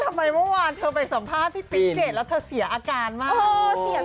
ทำไมเมื่อวานเธอไปสัมภาษณ์พี่ติ๊กเจดแล้วเธอเสียอาการมาก